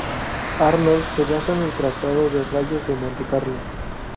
Arnold se basa en el trazado de rayos de Montecarlo.